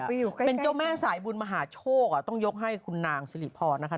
ใครเป็นเจ้าแม่สายบุญมหาโชคอ่ะต้องยกให้คุณนางสิริพรนะคะ